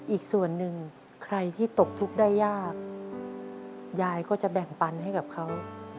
อีกส่วนหนึ่งใครที่ตกทุกข์ได้ยากยายก็จะแบ่งปันให้กับเขา